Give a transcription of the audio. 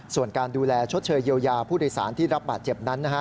ส่วนการดูแลชดเชยเยียวยาผู้โดยสารที่รับบาดเจ็บนั้นนะฮะ